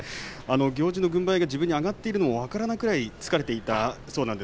行司の軍配が自分に上がったことも分からないくらい疲れていたと。